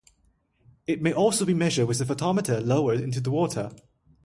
It may also be measured with a photometer lowered into the water.